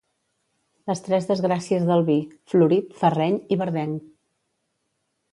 Les tres desgràcies del vi: florit, ferreny i verdenc.